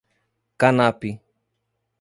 Canapi